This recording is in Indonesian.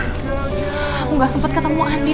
aku gak sempat ketemu andin al